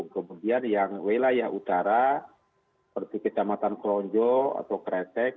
kemudian yang wilayah utara seperti kecamatan kronjo atau kresek